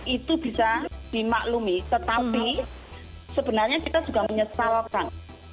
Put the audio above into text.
itu bisa dimaklumi tetapi sebenarnya kita juga menyesal kan